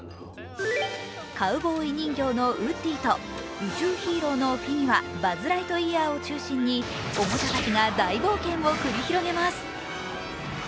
カウボーイ人形のウッディと宇宙ヒーローのフィギュア、バズ・ライトイヤーを中心におもちゃたちが大冒険を繰り広げます。